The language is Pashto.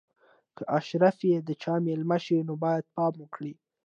که اشرافي د چا مېلمه شي نو باید پام وکړي.